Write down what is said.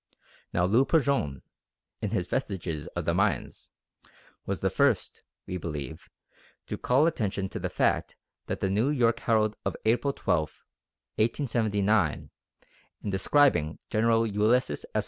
Now Le Plongeon, in his Vestiges of the Mayans, was the first, we believe, to call attention to the fact that The New York Herald of April 12th, 1879, in describing General Ulysses S.